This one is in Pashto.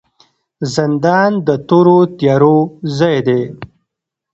زندان د تورو تیارو ځای دی